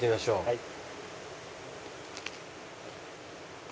はい。